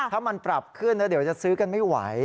ถ้ามันปรับขึ้นแล้วเดี๋ยวจะซื้อกันไม่ไหว